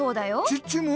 チッチも？